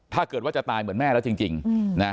ถ้าเกิดว่าจะตายเหมือนแม่แล้วจริงนะ